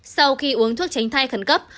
sau khi uống thuốc tránh thai khẩn cấp